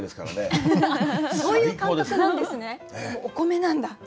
お米なんだ。